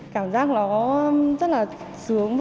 cảm giác nó rất là sướng